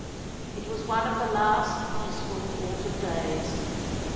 It was one of the last, peaceful autumn days.